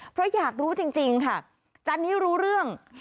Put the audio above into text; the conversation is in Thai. เพราะอยากรู้จริงค่ะจันนี้รู้เรื่อง